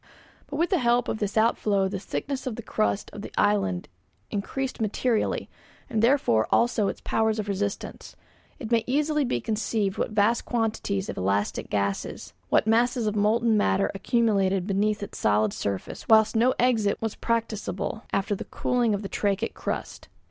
But with the help of this outflow the thickness of the crust of the island increased materially, and therefore also its powers of resistance. It may easily be conceived what vast quantities of elastic gases, what masses of molten matter accumulated beneath its solid surface whilst no exit was practicable after the cooling of the trachytic crust.